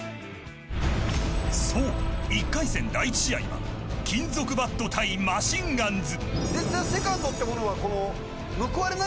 そう、１回戦第１試合は金属バット対マシンガンズ。